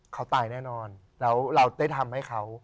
เขาตายแน่นอนแล้วเราได้ทำให้เขา